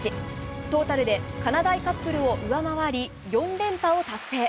トータルでかなだいカップルを上回り４連覇を達成。